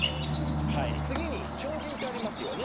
次に超人ってありますよね